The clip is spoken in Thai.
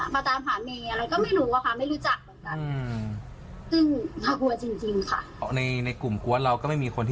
มาตามหาเมอะไรก็ไม่รู้นะคะไม่รู้จักกัน